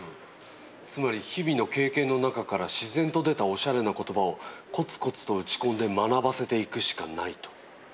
つまり日々の経験の中から自然と出たオシャレな言葉をコツコツと打ち込んで学ばせていくしかないと。